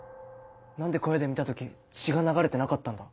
何で小屋で見た時血が流れてなかったんだ？